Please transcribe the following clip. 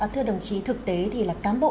thưa đồng chí thực tế thì là cán bộ